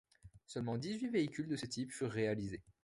Seulement dix-huit véhicules de ce type furent réalisés.